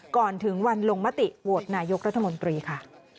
ก่อนถึงวันลงมติโหวตนายกรัฐมนตรีค่ะ